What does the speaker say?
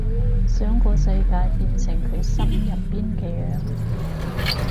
想個世界變成佢心入邊嘅樣